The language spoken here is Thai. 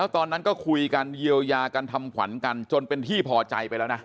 ตอนนั้นก็คุยกันเยียวยากันทำขวัญกันจนเป็นที่พอใจไปแล้วนะ